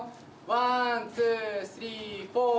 ワンツースリーフォー。